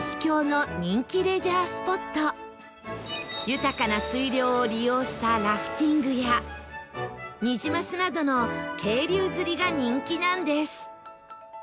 豊かな水量を利用したラフティングやニジマスなどの渓流釣りが人気なんです